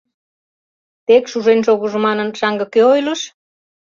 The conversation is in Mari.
— Тек шужен шогыжо манын, шаҥге кӧ ойлыш?